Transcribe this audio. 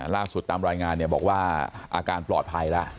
ตามรายงานบอกว่าอาการปลอดภัยแล้ว